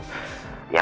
ya semoga selain ini pak